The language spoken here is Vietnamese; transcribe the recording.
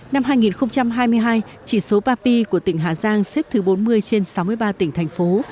năm hai nghìn hai mươi hai chỉ số papi của tỉnh hà giang xếp thứ bốn mươi trên sáu mươi ba tỉnh thành phố